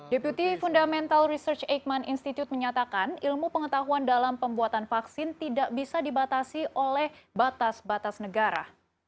deputi fundamental research eijkman institute menyatakan ilmu pengetahuan dalam pembuatan vaksin tidak bisa dibatasi oleh batas batas negara